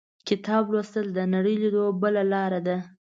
• کتاب لوستل، د نړۍ لیدو بله لاره ده.